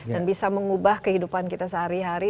dan bisa mengubah kehidupan kita sehari hari